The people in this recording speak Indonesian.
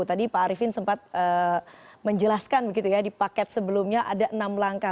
tadi pak arifin sempat menjelaskan begitu ya di paket sebelumnya ada enam langkah